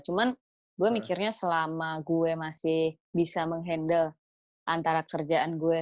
cuman gue mikirnya selama gue masih bisa menghandle antara kerjaan gue